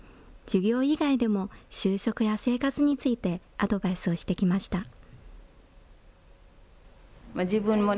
授業以外でも就職や生活についてアドバイスをしてきました。